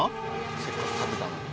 せっかく建てたのに。